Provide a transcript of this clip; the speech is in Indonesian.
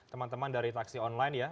teman teman dari taksi online ya